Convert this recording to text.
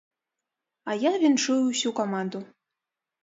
А я віншую ўсю каманду.